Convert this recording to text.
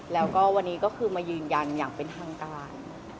แล้วก็วันนี้ก็คือมายืนยันอย่างเป็นทางการ